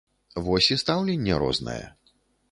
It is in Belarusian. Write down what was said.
Вось і стаўленне рознае.